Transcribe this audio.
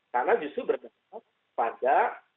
karena justru berdasarkan pada